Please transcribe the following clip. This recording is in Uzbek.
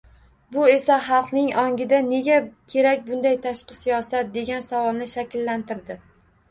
Bu esa xalqning ongida «nega kerak bunday tashqi siyosat» degan savolni shakllantirdi.